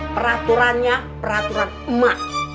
peraturannya peraturan emak